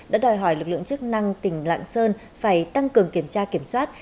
đã đòi hỏi lực lượng chức năng tỉnh lạng sơn phải tăng cường kiểm tra kiểm soát